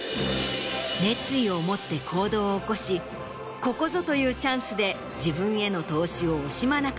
熱意を持って行動を起こしここぞというチャンスで自分への投資を惜しまなかったことで